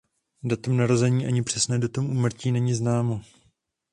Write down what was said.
Datum narození ani přesné datum úmrtí není známo.